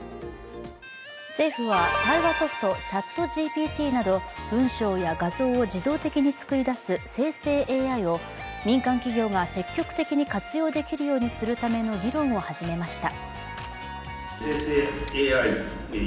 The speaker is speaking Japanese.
政府は対話ソフトＣｈａｔＧＰＴなど文章や画像を自動的に作り出す生成ＡＩを民間企業が積極的に活用できるようにするための議論を始めました。